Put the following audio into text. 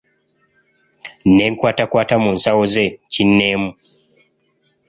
Ne nkwatakwata mu nsawo ze kinneemu.